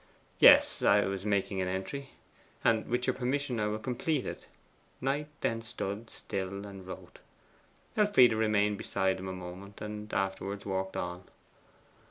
'Yes; I was making an entry. And with your permission I will complete it.' Knight then stood still and wrote. Elfride remained beside him a moment, and afterwards walked on.